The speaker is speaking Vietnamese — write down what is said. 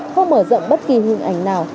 không mở rộng bất kỳ hình ảnh nào